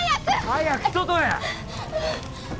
早く外へ！